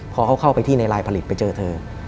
พอเขาเข้าไปที่ในลายผลิตไปเจอเธอ